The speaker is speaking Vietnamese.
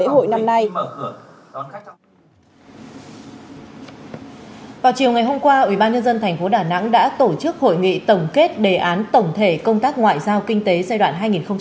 vào chiều ngày hôm qua ubnd tp đà nẵng đã tổ chức hội nghị tổng kết đề án tổng thể công tác ngoại giao kinh tế giai đoạn hai nghìn một mươi sáu hai nghìn hai mươi